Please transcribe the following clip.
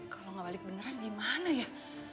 kalau nggak balik beneran gimana ya